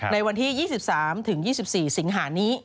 ในวันที่๒๓๒๔สิงหานี้